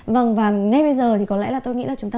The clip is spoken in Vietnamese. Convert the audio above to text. vâng và ngay bây giờ thì có lẽ là tôi nghĩ là chúng ta